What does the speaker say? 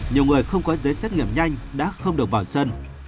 nhiều người không có giấy xét nghiệm nhanh đã không được vào sân